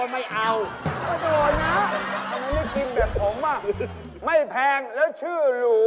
พี่เก๋